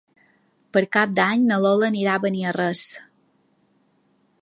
Per Cap d'Any na Lola anirà a Beniarrés.